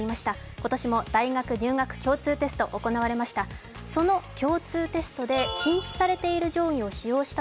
今年も大学入学共通テストが行われました。